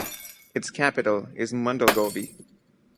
Its capital is Mandalgovi.